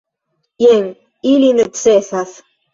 Jen, ili necesas.